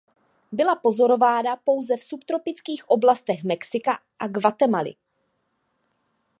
Byla pozorována pouze v subtropických oblastech Mexika a Guatemaly.